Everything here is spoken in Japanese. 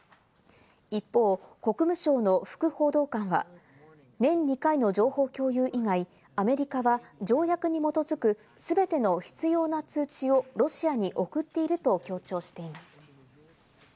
一方、国務省の副報道官は年２回の情報共有以外、アメリカは条約に基づくすべての必要な通知をロシアに送っていると強調しています。